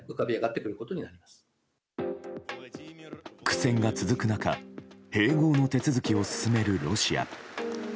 苦戦が続く中併合の手続きを進めるロシア。